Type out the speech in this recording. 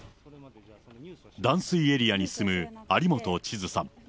断水エリアに住む有本千都さん。